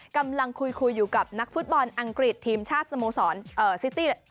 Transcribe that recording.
กำลังคุยอยู่กับนักฟุตบอลอังกฤษทีมชาติสโมสรซิตี้